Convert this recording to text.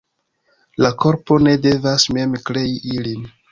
La korpo ne devas mem krei ilin.